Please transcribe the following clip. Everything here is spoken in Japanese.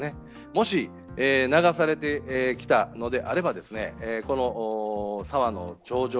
もし流されてきたのであればこの沢の頂上